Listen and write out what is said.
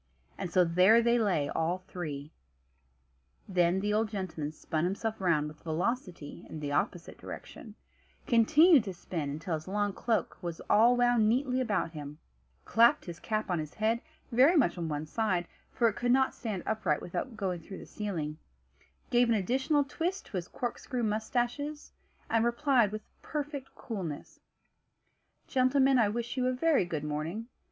And so there they lay, all three. Then the old gentleman spun himself round with velocity in the opposite direction; continued to spin until his long cloak was all wound neatly about him; clapped his cap on his head, very much on one side (for it could not stand upright without going through the ceiling), gave an additional twist to his corkscrew moustaches, and replied with perfect coolness: "Gentlemen, I wish you a very good morning.